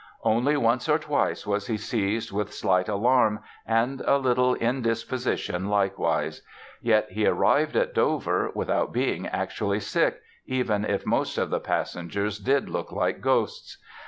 Only once or twice was he "seized with slight alarm and a little indisposition likewise". Yet he arrived at Dover "without being actually sick", even if most of the passengers did "look like ghosts."